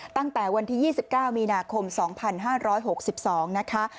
ตั้งแต่วันที๒๙มี๒๕๖๒นะคะ